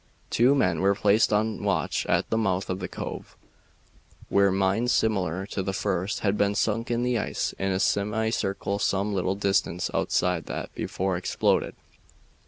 Two men were placed on watch at the mouth of the cove, where mines similar to the first had been sunk in the ice in a semicircle some little distance outside that before exploded.